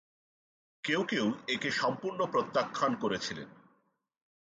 কেউ কেউ একে সম্পূর্ণ প্রত্যাখ্যান করেছিলেন।